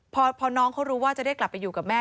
พอน้องเขารู้ว่าจะได้กลับไปอยู่กับแม่